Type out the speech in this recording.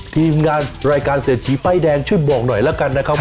ทีมงานรายการเศรษฐีป้ายแดงช่วยบอกหน่อยแล้วกันนะครับ